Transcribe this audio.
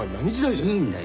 いいんだよ